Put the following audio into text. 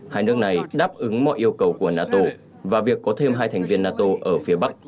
hai nước này đáp ứng mọi yêu cầu của nato và việc có thêm hai thành viên nato ở phía bắc